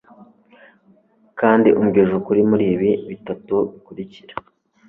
kandi umbwije ukuri muribi bitatu bikurikira